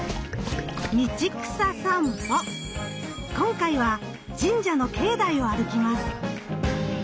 今回は神社の境内を歩きます。